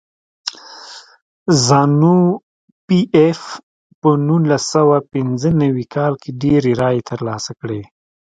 زانو پي ایف په نولس سوه پنځه نوي کال کې ډېرې رایې ترلاسه کړې.